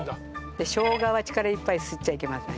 しょうがは力いっぱいすっちゃいけません。